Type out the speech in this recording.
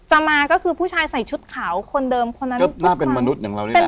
มาก็คือผู้ชายใส่ชุดขาวคนเดิมคนนั้นก็น่าเป็นมนุษย์อย่างเรานี่แหละ